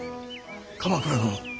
鎌倉殿。